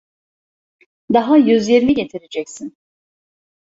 Daha yüz yirmi getireceksin!